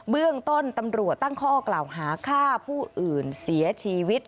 เบื้องต้นตำรวจตั้งข้อกล่าวหาฆ่าผู้อื่นเสียชีวิต